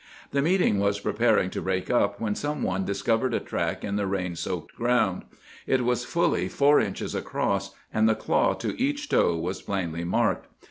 The meeting was preparing to break up when some one discovered a track in the rain soaked ground. It was fully four inches across, and the claw to each toe was plainly marked.